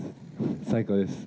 最高です。